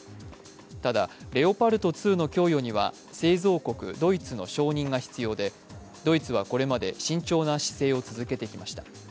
ただ、レオパルト２の供与には製造国・ドイツの承認が必要で、ドイツはこれまで慎重な姿勢を続けてきました。